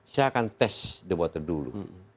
saya akan tes the water dulu